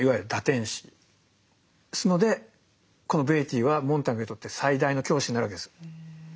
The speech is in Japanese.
ですのでこのベイティーはモンターグにとって最大の教師になるわけです。